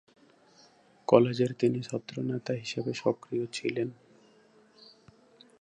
কলেজের তিনি ছাত্রনেতা হিসাবে সক্রিয় ছিলেন।